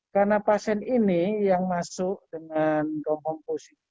karena pasien ini yang masuk dengan komposis